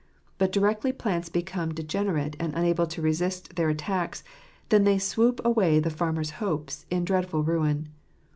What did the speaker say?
But directly plants become degenerate and unable to resist their attacks, then they sweep away the farmer's hopes in dreadful ruin.